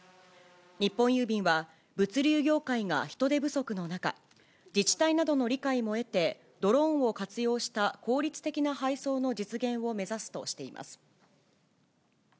日本郵便は、物流業界が人手不足の中、自治体などの理解も得て、ドローンを活用した効率的な配送の実現を目指すとしています。